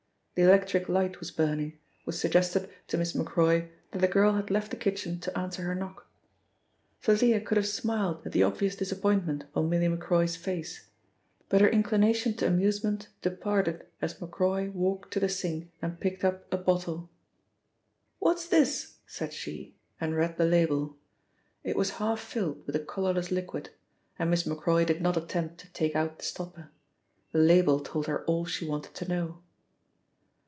The electric light was burning, which suggested to Miss Macroy that the girl had left the kitchen to answer her knock. Thalia could have smiled at the obvious disappointment on Milly Macroy's face, but her inclination to amusement departed as Macroy walked to the sink and picked up a bottle. "What is this?" said she, and read the label. It was half filled with a colourless liquid, and Miss Macroy did not attempt to take out the stopper. The label told her all she wanted to know.